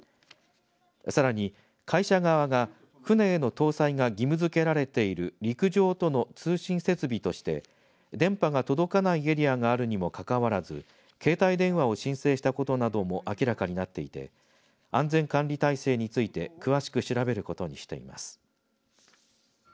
さらに会社側が船への搭載が義務づけられている陸上との通信設備として電波が届かないエリアがあるにもかかわらず携帯電話を申請したことなども明らかになっていて安全管理体制について詳しく調べることにしています。